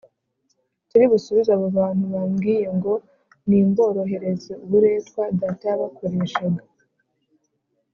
turi busubize abo bantu bambwiye ngo ‘Nimborohereze uburetwa data yabakoreshaga’?”